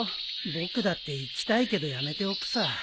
僕だって行きたいけどやめておくさ。